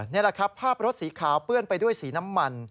นี่แหละครับภาพรถสีขาวเปื้อนไปด้วยสีน้ำมัน